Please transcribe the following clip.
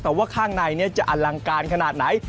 แต่ว่าข้างในจะอลังการขนาดไหน